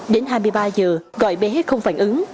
đến hai mươi ba giờ gọi bé không phản ứng